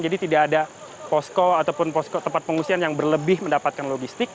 jadi tidak ada posko ataupun posko tempat pengungsian yang berlebih mendapatkan logistik